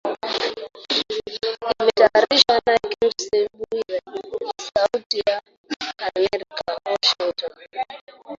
Imetayarishwa na Kennes Bwire sauti ya amerika Washington